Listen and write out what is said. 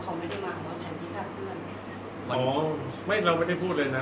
คือคราวที่แล้วก็บอกว่าเขาไม่ได้มาเพราะแผนที่แทนที่มัน